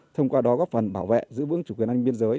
thông qua đó góp phần bảo vệ giữ vững chủ quyền an ninh biên giới